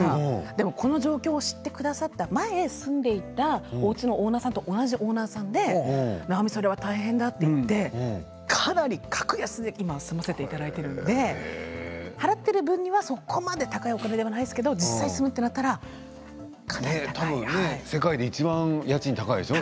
でもこの状況を知ってくださった前、住んでいたおうちのオーナーさんと同じオーナーさんで直美、それは大変だといってかなり格安で今住まわせていただいているので払っている分にはそんなに高いお金ではないですけど実際住むとなったらかなり高いです。